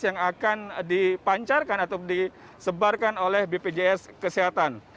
yang akan dipancarkan atau disebarkan oleh bpjs kesehatan